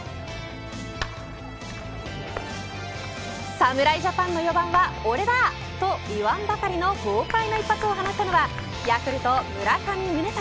侍ジャパンの４番は俺だと言わんばかりの豪快な一発を放ったのはヤクルト、村上宗隆。